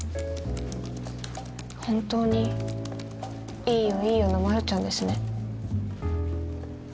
本当に「いいよいいよ」のまるちゃんですね。